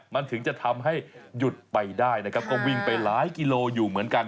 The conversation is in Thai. มันถึงจะทำให้หยุดไปได้นะครับก็วิ่งไปหลายกิโลอยู่เหมือนกัน